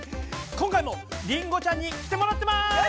今回もりんごちゃんに来てもらってます！